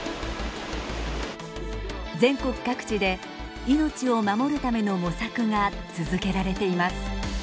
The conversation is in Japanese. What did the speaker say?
全国各地で命を守るための模索が続けられています。